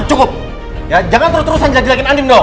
cukup ma cukup